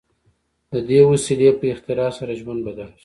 د دې وسیلې په اختراع سره ژوند بدل شو.